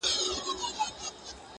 زما د زنده گۍ له هر يو درده سره مله وه.